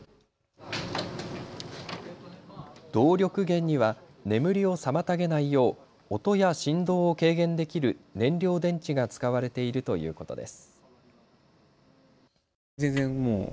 動力源には眠りを妨げないよう音や振動を軽減できる燃料電池が使われているということです。